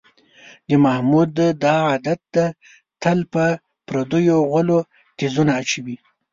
د محمود دا عادت دی، تل په پردیو غولو تیزونه اچوي.